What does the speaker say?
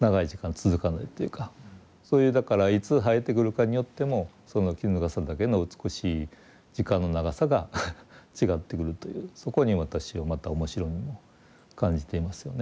そういうだからいつ生えてくるかによってもそのキヌガサダケの美しい時間の長さが違ってくるというそこに私はまた面白みも感じていますよね。